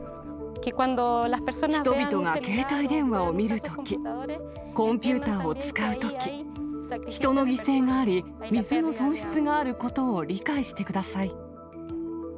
人々が携帯電話を見るとき、コンピューターを使うとき、人の犠牲があり、水の損失があることを理解してください。